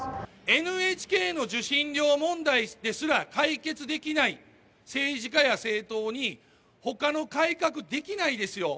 ＮＨＫの受信料問題ですら解決できない政治家や政党に、ほかの改革できないですよ。